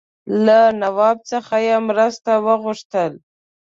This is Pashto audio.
له نواب څخه یې مرسته وغوښتل.